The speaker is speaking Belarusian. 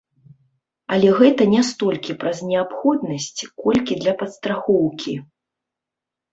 Але гэта не столькі праз неабходнасць, колькі для падстрахоўкі.